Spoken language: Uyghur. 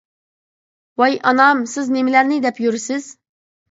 — ۋاي ئانام، سىز نېمىلەرنى دەپ يۈرىسىز.